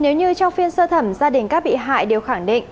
nếu như trong phiên sơ thẩm gia đình các bị hại đều khẳng định